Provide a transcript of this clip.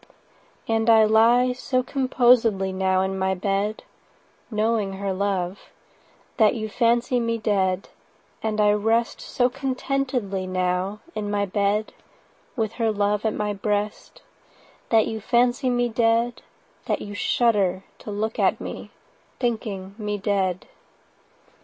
And I lie so composedly, 85 Now, in my bed (Knowing her love), That you fancy me dead— And I rest so contentedly, Now, in my bed 90 (With her love at my breast), That you fancy me dead— That you shudder to look at me, Thinking me dead.